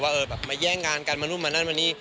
เออแบบมาแย่งงานกันมานู่นมานั่นมานี่